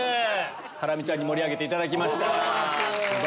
ハラミちゃんに盛り上げていただきました。